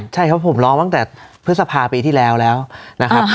ใช่ครับผมร้องตั้งแต่พฤษภาปีที่แล้วแล้วนะครับ